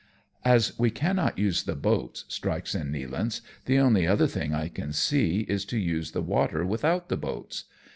" As we cannot use the boats," strikes in Nealance, " the only other thing I can see is to use the water without the boats.